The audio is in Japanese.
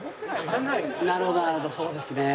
なるほどなるほどそうですね。